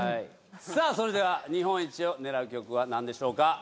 さあそれでは日本一を狙う曲は何でしょうか？